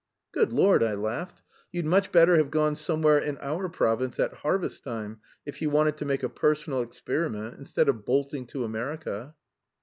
"Good Lord!" I laughed. "You'd much better have gone somewhere in our province at harvest time if you wanted to 'make a personal experiment' instead of bolting to America."